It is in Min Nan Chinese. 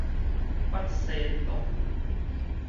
八仙樂園